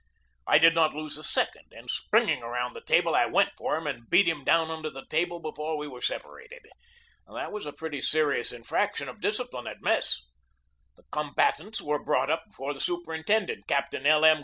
I did not lose a second, and, spring ing around the table, I went for him and beat him down under the table before we were separated. That was a pretty serious infraction of discipline at mess. The combatants were brought up before the super intendent, Captain L. M.